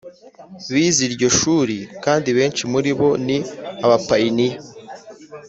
Bize iryo shuri kandi benshi muri bo ni abapayiniya